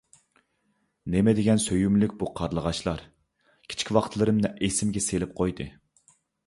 نېمىدېگەن سۆيۈملۈك بۇ قارلىغاچلار! كىچىك ۋاقىتلىرىمنى ئېسىمگە سېلىپ قويدى.